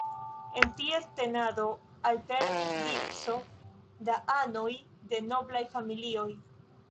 En ties tenado alternis vico da anoj de noblaj familioj.